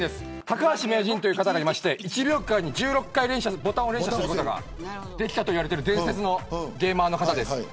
高橋名人という方がいまして１秒間に１６回ボタンを連射する技ができたといわれている伝説のゲーマーの方です。